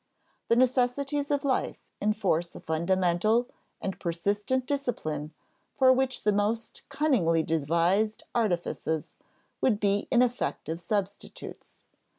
The necessities of life enforce a fundamental and persistent discipline for which the most cunningly devised artifices would be ineffective substitutes.